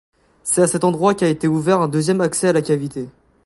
C’est à cet endroit qu’a été ouvert un deuxième accès à la cavité.